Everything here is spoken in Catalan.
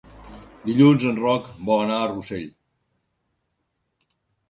Dilluns en Roc vol anar a Rossell.